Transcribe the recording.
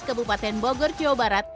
kebupaten bogor jawa barat